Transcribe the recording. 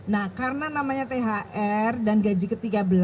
nah karena namanya thr dan gaji ke tiga belas